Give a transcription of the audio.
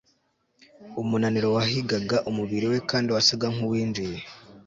umunaniro wahigaga umubiri we kandi wasaga nkuwinjiye